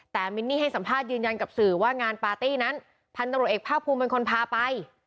แต่มินนี่ให้สัมภาษณ์ยืนยันกับสื่อว่างานปาร์ตี้นั้นพันตรวจเอกภาคภูมิเป็นคนพาไป